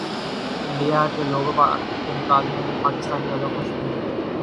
India کے لوگوں کے مقابلے میں پاکستانی زیادہ خوش کیوں